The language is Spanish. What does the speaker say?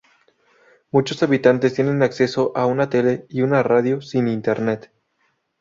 Muchos habitantes tienen acceso a una tele y una radio, sí tienen internet.